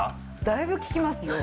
だいぶ効きますよ。